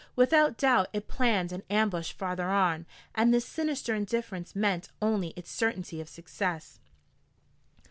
Without doubt it planned an ambush farther on, and this sinister indifference meant only its certainty of success.